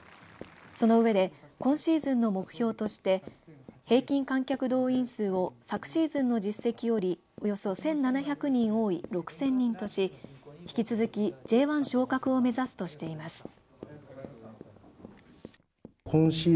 その上で今シーズンの目標として平均観客動員数を昨シーズンの実績よりおよそ１７００人多い６０００人とし引き続き、Ｊ１昇格を目指すとしています。